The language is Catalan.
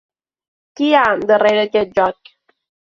Qui hi ha darrere aquest joc?